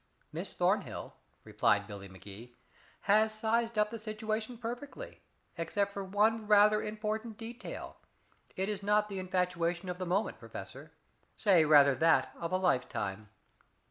"Miss Thornhill," replied Billy Magee, "has sized up the situation perfectly except for one rather important detail. It is not the infatuation of the moment, Professor. Say rather that of a lifetime."